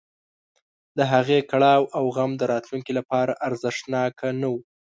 د هغې کړاو او غم د راتلونکي لپاره ارزښتناک نه و.